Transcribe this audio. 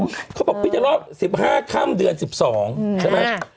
พี่มดไม่ได้ทำอะไรเลยเนาะเขาบอกพี่จะเล่า๑๕ค่ำเดือน๑๒ใช่ไหม